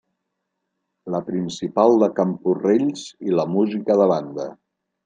La Principal de Camporrells i la música de banda.